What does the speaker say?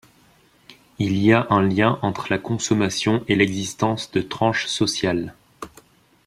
Il y a un lien entre la consommation et l'existence de tranches sociales.